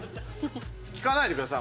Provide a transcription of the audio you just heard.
聞かないでください